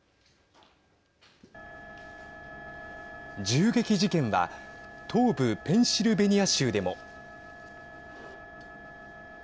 銃撃事件は東部ペンシルベニア州でも。